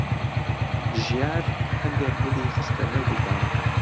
ژیار هەندێک گوڵی خستە نێو گوڵدانەکە.